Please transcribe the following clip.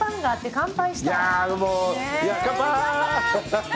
乾杯！